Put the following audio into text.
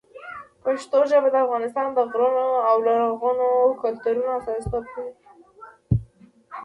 پښتو ژبه د افغانستان د غرونو او لرغونو کلتورونو استازیتوب کوي.